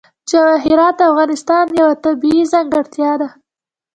جواهرات د افغانستان یوه طبیعي ځانګړتیا ده.